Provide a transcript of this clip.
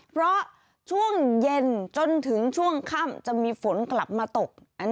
เพราะช่วงเย็นจนถึงช่วงค่ำจะมีฝนกลับมาตก